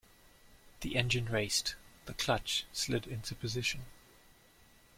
The engine raced; the clutch slid into position.